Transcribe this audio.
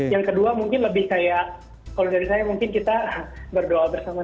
yang kedua mungkin lebih kayak kalau dari saya mungkin kita berdoa bersama sama